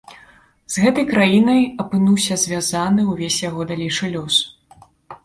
З гэтай краінай апынуўся звязаны ўвесь яго далейшы лёс.